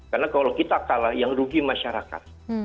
karena kalau kita kalah yang rugi masyarakat